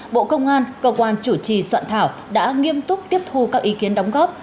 bộ công an cơ quan chủ trì soạn thảo đã nghiêm túc tiếp thu các ý kiến đóng góp